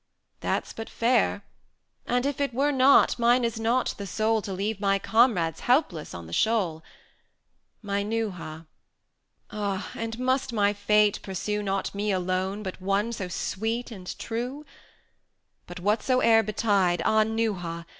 "That's but fair; And if it were not, mine is not the soul To leave my comrades helpless on the shoal. My Neuha! ah! and must my fate pursue Not me alone, but one so sweet and true? But whatsoe'er betide, ah, Neuha!